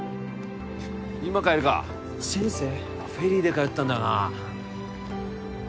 今帰りか先生フェリーで通ってたんだなあ